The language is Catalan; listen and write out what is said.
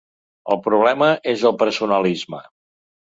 El problema és el personalisme.